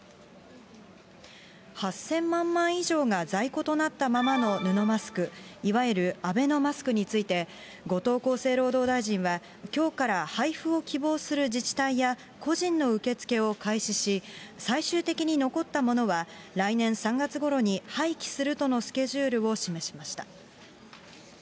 ８０００万枚以上が在庫となったままの布マスク、いわゆるアベノマスクについて、後藤厚生労働大臣は、きょうから配布を希望する自治体や個人の受け付けを開始し、最終的に残ったものは、来年３月ごろに廃棄するとのスケジュールを示しました。